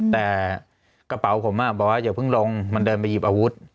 แต่กระเป๋าผมบอกว่าอย่าเพิ่งลงมันเดินไปหยิบอาวุธ